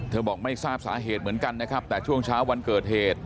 บอกไม่ทราบสาเหตุเหมือนกันนะครับแต่ช่วงเช้าวันเกิดเหตุ